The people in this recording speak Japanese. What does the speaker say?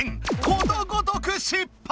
ことごとく失敗！